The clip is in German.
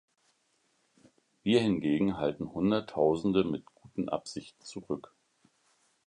Wir hingegen halten Hunderttausende mit guten Absichten zurück.